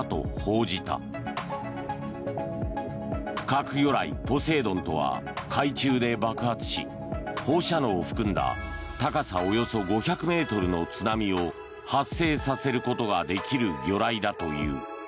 核魚雷ポセイドンとは海中で爆発し放射能を含んだ高さおよそ５００ｍの津波を発生させることができる魚雷だという。